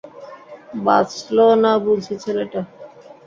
বাঁচল না বুঝি ছেলেটা?